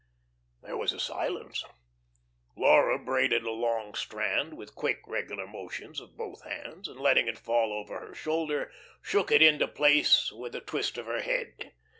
There was a silence. Laura braided a long strand, with quick, regular motions of both hands, and letting it fall over her shoulder, shook it into place with a twist of her head.